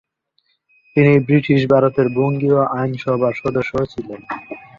তিনি ব্রিটিশ ভারতের বঙ্গীয় আইন সভার সদস্যও ছিলেন।